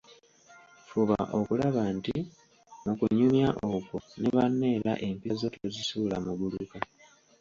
Fuba okulaba nti, mu kunyumya okwo ne banno era empisa zo tozisuula muguluka.